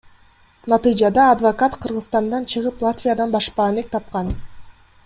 Натыйжада адвокат Кыргызстандан чыгып Латвиядан башпаанек тапкан.